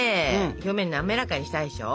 表面滑らかにしたいでしょ？